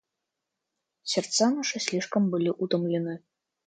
Сердца наши слишком были утомлены.